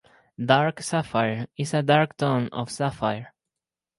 Dark sapphire is a dark tone of sapphire.